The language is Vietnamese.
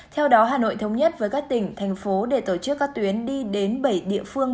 theo đó hà nội thống nhất với các tỉnh thành phố để tổ chức các tuyến đi đến bảy địa phương